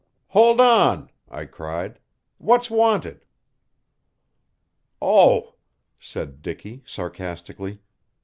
"Hold on!" I cried. "What's wanted?" "Oh," said Dicky sarcastically.